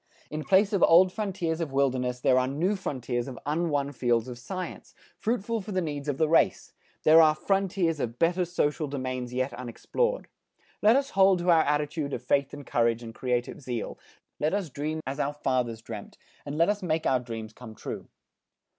In place of old frontiers of wilderness, there are new frontiers of unwon fields of science, fruitful for the needs of the race; there are frontiers of better social domains yet unexplored. Let us hold to our attitude of faith and courage, and creative zeal. Let us dream as our fathers dreamt and let us make our dreams come true.